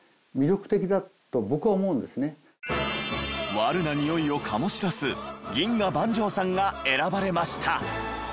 ワルなにおいを醸し出す銀河万丈さんが選ばれました。